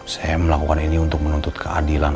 saya melakukan ini untuk menuntut keadilan